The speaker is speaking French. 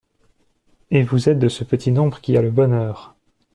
Et vous êtes de ce petit nombre qui a le bonheur!